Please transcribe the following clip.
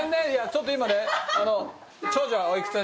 ちょっと今ね。